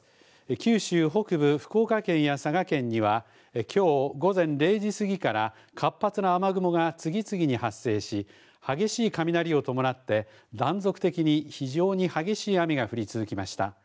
九州北部、福岡県や佐賀県にはきょう午前０時過ぎから、活発な雨雲が次々に発生し、激しい雷を伴って断続的に非常に激しい雨が降り続きました。